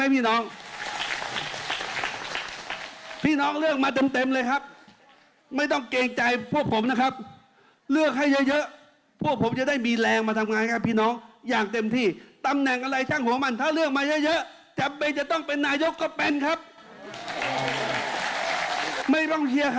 ไม่ต้องเชียร์ใคร